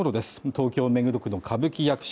東京目黒区の歌舞伎役者